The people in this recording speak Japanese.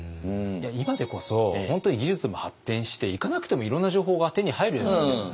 今でこそ本当に技術も発展して行かなくてもいろんな情報が手に入るじゃないですか。